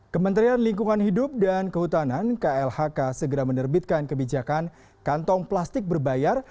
kementerian lingkungan hidup dan kehutanan klhk segera menerbitkan kebijakan kantong plastik berbayar